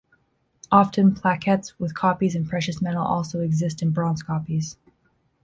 Often plaquettes with copies in precious metal also exist in bronze copies.